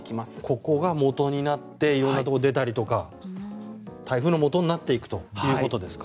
ここが元になって色んなところに出たりとか台風のもとになっていくということですか。